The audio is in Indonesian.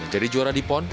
jadi juara di pon